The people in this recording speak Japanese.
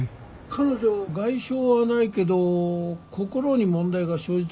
彼女外傷はないけど心に問題が生じたみたいだよ。